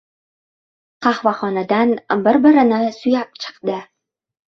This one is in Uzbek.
Qahvaxonadan bir-birini suyab chiqdi.